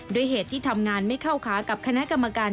ด้วยเหตุที่ทำงานไม่เข้าขากับคณะกรรมการ